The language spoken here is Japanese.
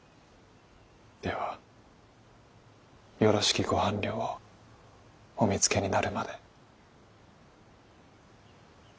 ではよろしきご伴侶をお見つけになるまで。